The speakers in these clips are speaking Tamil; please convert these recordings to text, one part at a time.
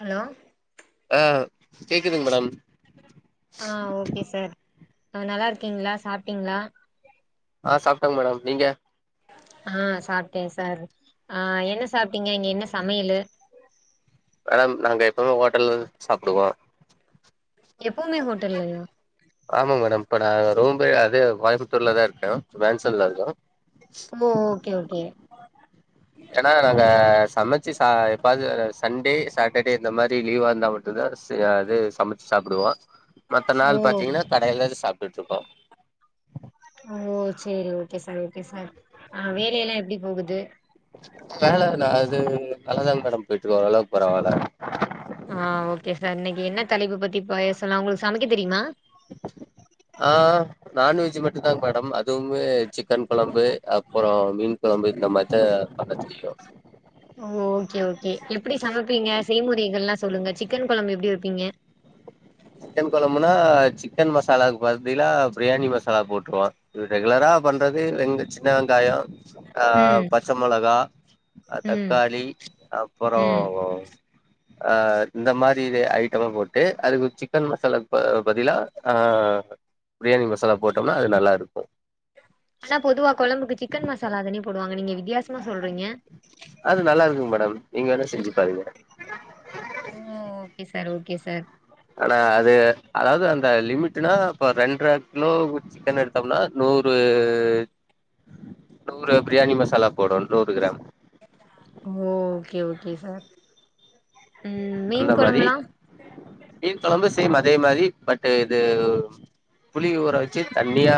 ஹலோ ஆஹ் கேக்குதுங் மேடம் ஆஹ் ஓகே சார் நல்லா இருக்கீங்களா சாப்ட்டீங்ளா ஆஹ் சாப்ட்ட மேடம் நீங்க ஆஹ் சாப்புட்டே சார் ஆஹ் என்ன சாப்ட்டீங்க இங்க என்ன சமையலு மேடம் நாங்க எப்பவுமே ஹோட்டல்ல தா சாப்புடுவோம் எப்பவுமே ஹோட்டல்லையா ஆமா மேடம் இப்ப நான் ரொம்ப பே அதே கோயம்புத்தூர்லா தான் இருக்கேன் வேன்சன் ல தா மோ ஓகே ஓகே ஏன்னா நாங்க சமைச்சு சா எப்பாவது சண்டே சாட்டர்டே இந்த மாரி லீவா இருந்தா மட்டுந்தா செ அது சமைச்சு சாப்டுவோ மத்த ஓ நாள் பாத்தீங்கன்னா கடையிலயேதா சாப் [unintelligible] ஓ சேரி ஓகே சார் ஓகே சார் ஆஹ் வேலயெல்லா எப்டி போகுது வேல நா அது நல்லாதாங்க மேடம் போயிட்ருக்கு ஓரளவுக்கு பரவால்ல ஆஹ் ஓகே சார் இன்னைக்கி என்ன தலைப்பு பத்தி பேசலா உங்களுக்கு சமைக்க தெரியுமா ஆஹ் நான்வெஜ் மட்டும்தா மேடம் அதுவுமே சிக்கன் கொழம்பு அப்புறோ மீன் கொழம்பு இந்த மாரிதா பண்ண தெரியு ஓ ஓகே ஓகே எப்டி சமைப்பீங்க செய்முறைகள் எல்லாம் சொல்லுங்க சிக்கன் குழம்பு எப்டி வைப்பீங்க சிக்கன் குழம்புனா சிக்கன் மசாலாக்கு பத்திலா பிரியாணி மசாலா போட்டுருவோம் இது ரெகுலரா பண்றது வெங்க சின்ன வெங்காயம் அஹ ம் பச்ச மிளகா ம் தக்காளி அப்பறம் ம் அ இந்த மாரி ஐட்டம் போட்டு அதுக்குசிக் சிக்கன் மசாலா பதிலா ஆ பிரியாணி மசாலா போட்டோம்னா அது நல்லா இருக்கும் ஆனா பொதுவா குழம்புக்கு சிக்கன் மசாலா தானே போடுவாங்க நீங்க வித்தியாசமா சொல்றீங்க அது நல்லா இருக்குங்க மேடம் நீங்க வேணுணாம் செஞ்சு பாருங்க ஓகே சார் ஓகே சார் ஆனா அது அதாவது அந்த லிமிட்னா இப்ப ரெண்ட கிலோ சிக்கன் எடுத்தோம்னா நூறு நூறு பிரியாணி மசாலா போடும் நூறு கிராம் ஓ ஓகே ஓகே சார் ம் மீன் அந்த மாதிரி கொழம்புலா மீன்குழம்பு அதே மாரி பட் இது புளி ஊற வச்சு தண்ணியா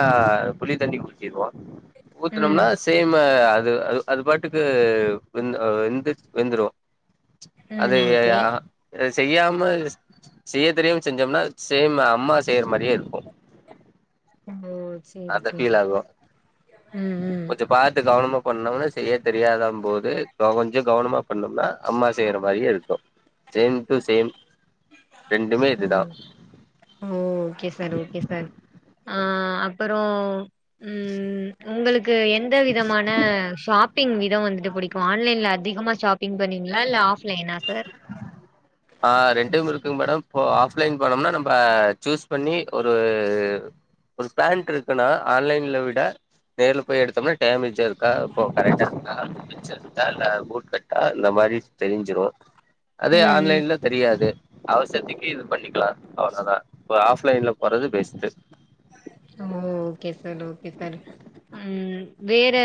புளி தண்ணி ஊத்திருவோம் ம் ஊத்தனம்னா சேம் அதே அது அ அது பாட்டுக் ந்து ந்து வெந்துரு ம் ஓகே ஆ செய்யாம இரு செய்ய தெரியும் செஞ்சோம்னா செம் அம்மா செய்ற மாரியே இருக்கும் ஓ செரி செரி ம் ம் ஒண்ணுமே செய்யத் தெரியாதம் போது கொஞ்ச கவனமா பண்ணோம்னா அம்மா செய்யற மாரியே இருக்கு சேம் டு சேம் ரெண்டுமே ஓ இதுதா ஓகே சார் ஓகே சார் அஹ் அப்பறம் உம் உங்களுக்கு எந்த விதமான ஷாப்பிங் வித எங்க வந்து பிடிக்கும் ஆன்லைன்ல அதிகமா ஷாப்பிங் பண்ணீங்களா இல்ல ஆப்லைனா சார் ஆ ரெண்டும்யும் இருக்குங்க மேடம் இப்ப ஆஃப்லைன் போனோம்னா நம்ம சூஸ் பண்ணி ஒரு ஒரு பேண்டட் இருக்குன்னா ஆன்லைன்ல விட நேர்ல போய் எடுத்தோம்னா டேமேஜா இருக்கா இப்ப கரெகா இருக்காா இல்ல பூட் கட்டா இந்த மாரி தெரிஞ்சிரும் உம் உம் அது அவசத்துக்கே இது பண்ணிக்கலா அவ்ளதா ஒரு ஆப்லைன்ல வறது பெஷ்டு ஓ ஓகே சார் ஓகே சார் உம் வேற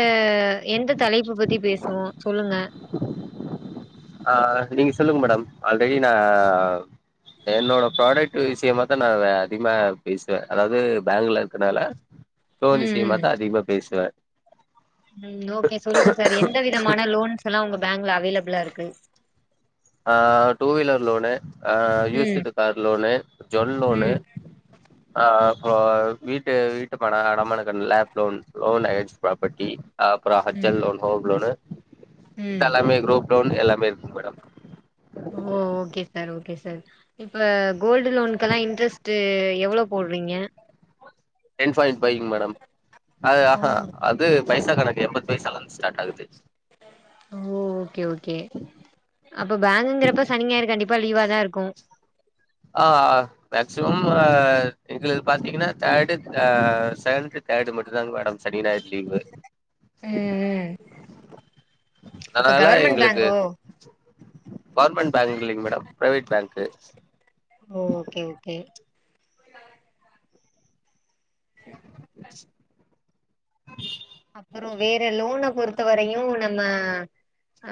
எந்த தலைப்பு பத்தி பேசுவோ சொல்லுங்க ஆஹ நீங்க சொல்லுங்க மேடம் ஆல்ரெடி நான் என்னோட ப்ராடக்ட் விஷயமாத்தா நா அதிகமா பேசுவே அதாவது பேங்குல இருக்கனால லோன் விசயமா தா அதிகமா பேசுவே உம் ஓகே சொல்லுங்க சார் எந்த விதமான லோன்ஸ்ல்லா உங்க பேங்குல அவேலபிளா இருக்கு ஆஹ டூ வீலர் லோனு அஹ ம் யூசுது கார் லோனு ஜொல் லோனு ம் ஆஹ அ வீட்டு வீட்டு மன அடமானக் லப் டோன் லோன் ப்ராப்பர்டி ஹ அப்புற ம் ஹஜ்ஜல் லோன் ஹோம் லோனு ம் ங்ல்லாமே குரூப் லோன் எல்லாம் மேற்கு மேடம் ஓ ஓ ஓகே சார் ஓகே சார் இப்ப கோல்டு லோனுகெல்லா இன்ரெஸ்டு எவ்ளோ போடுறீங்க டேன் ஃபயில் பைக் மேடம் அ ஓ ஆஹ அது பைசா கனக்கு எம்பது பைசாலந்து ஸ்ட்டாகுது ஓ ஓகே ஓகே அப்ப பேங்குங்குறப்ப சனிஞாயிறு கண்டிப்பா லீவா தா இருக்கு ஆஹ ஆஹ மேக்சிமம் ஹ எதுல பாத்தீங்கன்னா தேர்டுஹ செகண்ட தேர்டு மட்டும் தான் மேடம் சனி ஞாயிறு லீவு உம் உம் அப்ப அதனால கவர்மெண் எங்களுக்கு பேங்கோ கவர்மெண்ட் பேங்கு இல்லிங்க மேடம் பிரைவேட்பேங்க்கு ஓ ஓகே ஓகே [inaudible] அப்புற வேற லோன பொறுத்த வரையு நம்ம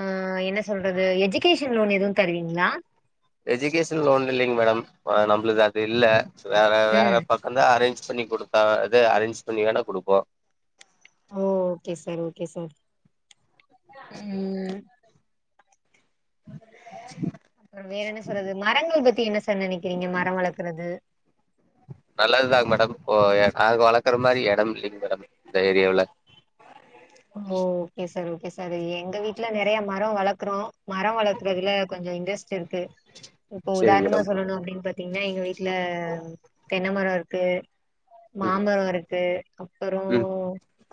அஹ என்ன சொல்றது எஜுகேஷன் லோன் எதுவு தருவீங்களா எஜுகேஷன் லோன் இல்லைங் மேடம் ஆ நம்புளுது அது இல்ல வேற வேற ம் பக்கம் தா அரேஞ்ச் பண்ணி கொடுத்தா அத அரேஞ்ச் பண்ணி வேணா குடுப்போம் ஓ ஓகே சார் ஓகே சார் உம் அப்புற வேற என்ன சொல்றது மரங்கள் பத்தி என்ன சார் நினைக்கிறீங்க மர வளக்குறது நல்லதுதாங்க மேடம் ஓ நாங்க வளர்க்குற மாரி இடம் இல்லைங்க மேடம் இந்த ஏரியாவுல ஓ ஓகே சார் ஓகே சார் செரி எங்க வீட்டுல நெறைய மரம் வளக்குறோம் மரம் வளக்குறதுல கொஞ்ச இன்ட்ரெஸ்ட் இருக்கு க்கு இப்போ சரிங்க உதாரணமா மேடம் சொல்லணு அப்புடின்னு பத் பாத்தீங்கன்னா எங்க வீட்ல தென்னமரம் இருக்கு ம் மாமர இருக்கு அப்புறோ ம்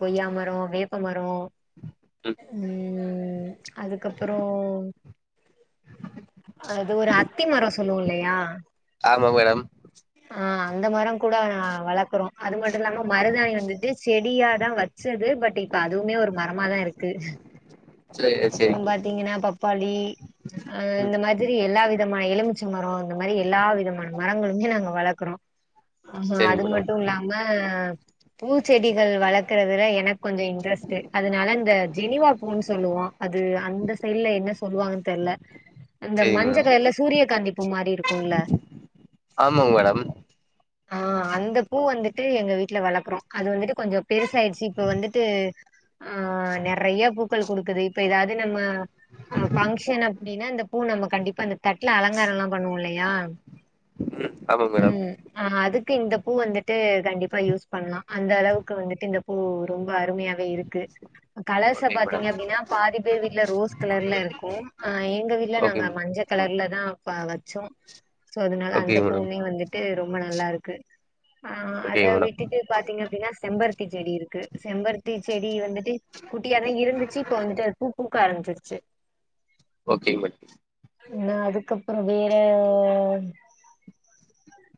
கொய்யா மரோ வேப்ப ப்ப மரோம் ம் ம் அதுக்கப்பறோம் அது ஒரு அத்தி மரம் சொல்லுவோம் இல்லயா [inaudible] ஆ அந்த மரோம் கூட நான் வளக்குறோம் அது மட்டும் இல்லாம மருதாணி வந்துட்டு செடியா இப்ப தான் வச்சது பட் இப்ப அதுவுமே ஒரு மரமாதான் இருக்கு சரி சரி அப்புறோம் பாத்தீங்கன்னா பப்பாளி அ ம் இந்த மாதிரி எல்லா விதமா மா எலுமிச்ச மரம் மாரி எல்லா விதமான மரங்களுமே நாங்க வளக்குறோ ஆ சரிங்க அது மேடம் மட்டும் இல்லாம பூச்செடிகள் வள இருக்குறதுல எனக்கு கொஞ்சோம் இன்ட்ரெஸ்ட் அதனால இந்த ஜெனிவா பூன்னு சொல்லுவோம் அது அந்த சைடல என்ன சொல்லுவாங்கன்னு தெர்ல அந்த சரிங்க மஞ்ச மேடம் கலர்ல சூரிய காந்தி பூ மாரி இருக்குல ஆமாங்க மேடம் ஆ அந்த பூ வந்து நட்டு எங்க வீட்டுல வளக்குறோம் அது வந்துட்டு கொஞ்சோம் பெருசாயிடுச்சு இப்ப வந்துட்டு ஆ நெறைய பூ பூக்கள்குடுக்குதே இப்ப ஏதாவது நம்ம ஹ பங்க்ஷன் அப்டின்னா இந்த பூ நம்ம கண்டிப்பா அந்த தட்ல அலங்காரம்லாம் பண்ணுவோம் இல்லயா ஆமாங்க மேடம் ம் அதுக் இந்த பூ வந்துட்டு கண்டிப்பா யூஸ் பண்லாம் அந்த அளவுக்கு வந்துட்டு இந்த பூ ரொம்ப அருமையாவே இருக்கு கலர்ஸ ஓகேங்க பாத்தீங்க மேடம் அப்டின்னா பாதி பேர் வீட்ல ரோஸ் கலர்ல இருக்கும் ஹ எங்க வீட்ல ஓகே நாங்க மஞ்ச கலர்ல ஏனா‌அப்ப வச்சோம் சோ அதுனால அந்த ஓகேங்க மேடம் பூவுமே வந்துட்டு ரொம்ப நல்லா இருக்கு ஆ அத ஓகேங்க மேடம் விட்டுட்டு பாத்தீங்க அப்டின்னா செம்பருத்தி செடி இருக்கு செம்பருத்தி செடி வந்து குட்டிய தான் இருந்துச்சு பூ பூக்க ஆரம்பிச்சிருச்சு ஓகேங் மேடம் அப்புறம் வேற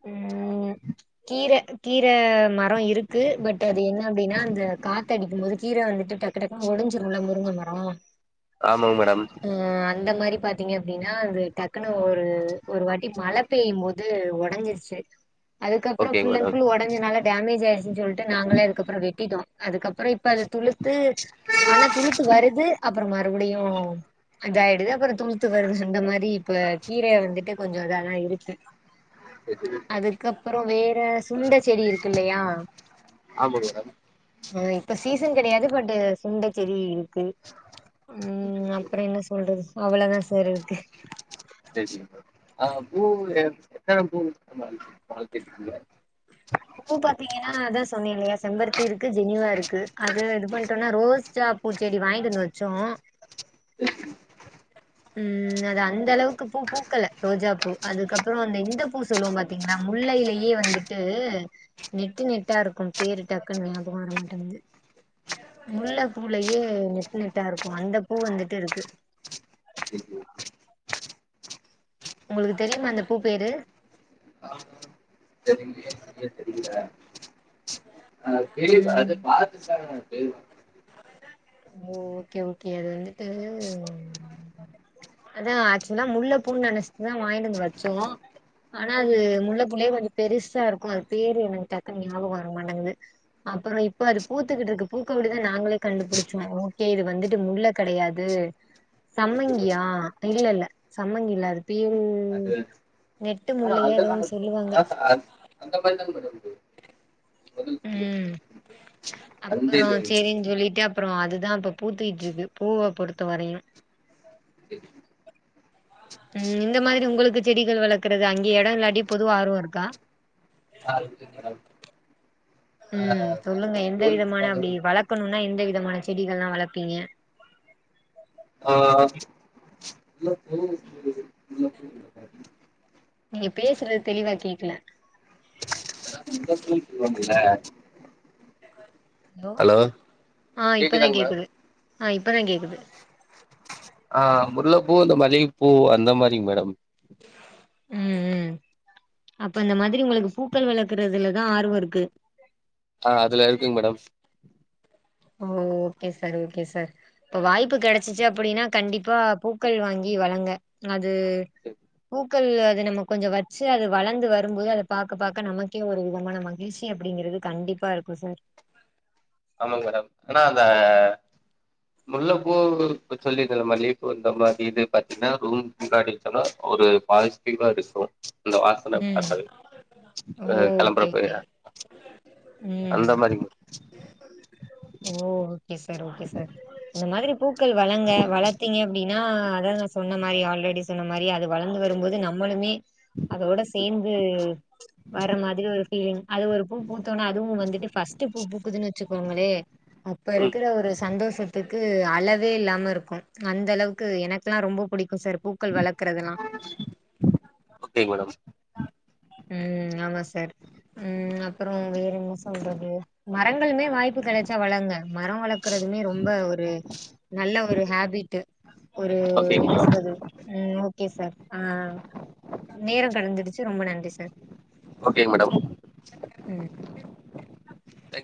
உம் கீர கீர மரம் இருக்கு பட் அது என்ன அப்படின்னா அது எண்ண காத்துஅடிக்கும்போது கீர வந்துட்டு டக்கு டக்குனு ஒடிஞ்சுரும்லா முருங்க மரம் ஆஹ் ஆமாம் மேடம் மாரி பாத்தீங்க அப்படின்னா அது டக்குனு ஒரு ஒரு வாட்டி மழ பெய்யும் போது இது வட் நனஞ்சிருச்சு அதுக்கப்புறம் ஓகேங்க ஃபுல் அண்ட் மேடம் ஃபுல் உடஞ்சனால டேமேஜ் ஆயிடுச்சன்னு சொல்லிட்டு நாங்களே அதுக்கப்புறம் வெட்டிட்டோம் அதுக்கப்புறம் இப்ப அது துளுத்து ஆனா துளுத்து வருது அப்புறம் மறுபடியும் இதாயி இதப்பாரு துளுத்து வருது சொன்ன மாரி இப்ப கீரைய வந்துட்டு கொஞ்சம் இதான் இரு விடுட் அது அப்புறம் வேற சுண்ட செடி இருக்கு இல்லையா ஆமாங்க மேடம் ஆஹ் இப்ப சீசன் கிடையாது பட் சுண்டை செடி உம் அப்புறம் என்ன சொல்றது அவ்வளவுதான் சார் இருக்கு தேசிய சங்க ஆஹ் பூ எத்தனை பூ வா பூ பாத்தீங்கன்னா அதான் சொன்னேன் இல்லையா செம்பருத்தி இருக்கு ஜெனிவா இருக்கு அது இது பண்ணிட்டோம்னா ரோஸ்ஜா பூச்செடி வாங்கிட்டு இருந்து வச்சோம் உம் அது அந்த அளவுக்கு பூ பூக்கல ரோஜா பூ அதுக்கப்புறம் அந்த எந்த பூ சொல்லுவோம் பாத்தீங்களா முல்லையிலயே வந்துட்டு நெட்டு நெட்டா இருக்கும் பேரு டக்குன்னு ஞாபகம் வரமாட்டேது முல்லை பூலயே நெட்டு நெட்டா இருக்கும் அந்த பூ வந்துட்டு இருக்கு உங்களுக்கு தெரியுமா அந்த பூ பேரு அது பெரிய ம் அது பாத்து எழுது ஓ ஓகே ஓகே அது வந்துட்டு அதான் ஆக்சுவலா முல்ல பூண்ணு நினைச்சுட்டுதான் வாங்கிட்டு வந்து வச்சோம் ஆனா அது முல்ல பூவுலே வந் பெருசா இருக்கும் அது பேரு எனக்கு டக்குனு ஞாபகம் வரமாட்டேங்குது அப்புறம் இப்போ அது பூத்துக்கிட்டு இருக்கு பூக்கவிட்டு தான் நாங்களே கண்டுபிடிச் சோம் ஓகே இது வந்துட்டு முல்ல கிடையாது சம்மங்கியா இல்ல இல்ல சம்மங்கி இல்ல அது பேரு அ முல்லையா ஏதோ ஒன்னு சொல்லுவாங்க அந்த மாதிரி தான் உம் அப்புறம் செரின்னு சொல்லிட்டு அப்புறம் அதுதான் இப்ப பூத்திக்கிட்டிருக்கு பூவ பொறுத்த வரையும் உம் இந்த மாதிரி உங்களுக்கு செடிகள் வளர்க்கறது அங்கே இடம் இல்லாட்டியும் பொதுவா ஆர்வம் இருக்கா உம் சொல்லுங்க எந்த விதமான அப்டி வளர்க்கணும்னா எந்த விதமான செடிகெல்லாம் வளர்ப்பீங்க நீங்க பேசுறது தெளிவா கேக்கல சச்சு ஹலோ கேக்குதாங்க மேடம் அஹ இப்பதான் கேக்குது அஹ முல்லப்பூ இந்த மல்லிகைப்பூ அந்த மாரிங்க மேடம் ம்ம் அப்ப அது மாதிரி உங்களுக்கு பூக்கள் வளக்குறதுலதான் ஆர்வம் இருக்கு ஹ் அதுல இருக்குங்க மேடம் ஓ ஓகே சார் ஓகே சார் இப்ப வாய்ப்பு கிடைச்சிச்சு அப்படின்னா கண்டிப்பா பூக்கள் வாங்கி வழங்க இது சரி. உக் பொள் அதை நம்ம கொஞ்சம் வச்சு அது வளர்ந்து வரும்போது அதை பாாரக்க பாார்கக்க நமக்கே ஒரு விதமான மகிழ்ச்சி அப்படிங்கறிறது கண்டிப்பா இருக்கும் சார் ஆமா மேடம் ஆனா அந்த முள்ளப்பூ இ சொல்லிிருந்தம் மல்லிப்பூ இந்த மாதிரி இது பாத்தீங்கன்னா ரூம்ாடி சொன்னா ஒரு பாசிட்டிவா இருக்கு [unintelligible] ம் அந்த வாசன ம் ச ஓ கெளம்புற ஓகே போ ஓகே ம் அந்த மாதிரிங் ஓ [inaudible] ஓகே சார் ஓகே சார் இந்த மாதிரி பூக்கள் வழங்க வளர்த்தீங்க அப்படின்னா அதான் நான் சொன்ன மாரி ஆல்ரெடி சொன்ன மாதிரி அது வளர்ந்து வரும்போது நம்ளுமே அதோட சேம் ம்ம் வர மாதிரி ஒரு ஃபீலிங் அது ஒரு பூ பூத்தோனா அதுவும் வந்துட்டு ஃர்ஸ்ட்ட் பூ பூக்குதுன்னு வச்சுக்கோங்களே [unintelligible] இப்ப ம் இருக்கிற ஒரு சந்தோஷத்துக் க்கு அளவே இல்லாம இருக்கும் அந்த அளவுக்கு எனக்கெல்லாம் ரொம்ப பிடிக்கும் சார் பூக்கள் வளர்க்கறதுல்லாம் ஓகேங்க மேடம் ம் ஆமா சார் ம் அப்புறம் வேற என்ன சொல்றது மரங்களுமே வாய்ப்பு கெடச்சா வளங்க மரம் வளர்க்கறதுமே ரொம்ப ஒரு நல்ல ஒரு ஹேபிட்டு ஒரு என்ன ஓகேங்களா சொல்றது ம் கே சார் ஆஆ நேரம் கடந்துடுச்சு ரொம்ப நன் எஸ் சார் ஓகே மேடம் ம் தேங்க்